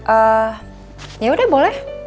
ehh yaudah boleh